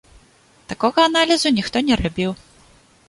Такога аналізу ніхто не рабіў.